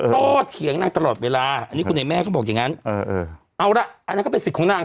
ต้อที่อย่างนั้นตลอดเวลา